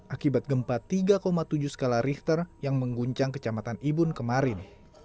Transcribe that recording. akibat gempa tiga tujuh skala richter yang mengguncang kecamatan ibun kemarin